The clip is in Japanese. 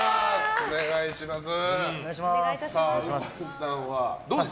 お願いします！